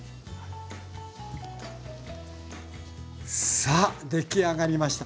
さあ出来上がりました。